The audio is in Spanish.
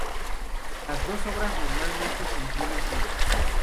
Las dos obras normalmente se imprimen juntas.